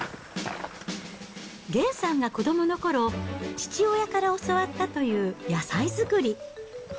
げんさんがこどものころ、父親から教わったという野菜作り。